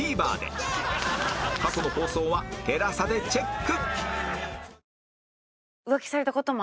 過去の放送は ＴＥＬＡＳＡ でチェック